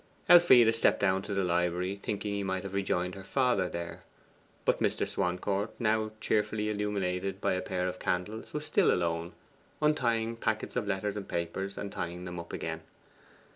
Elfride stepped down to the library, thinking he might have rejoined her father there. But Mr. Swancourt, now cheerfully illuminated by a pair of candles, was still alone, untying packets of letters and papers, and tying them up again.